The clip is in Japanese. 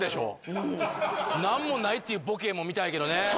何もないっていうボケも見たいけどね